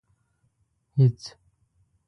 هېڅ.